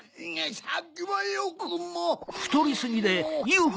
さっきはよくも！